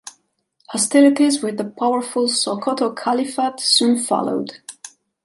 Hostilities with the powerful Sokoto Caliphate soon followed.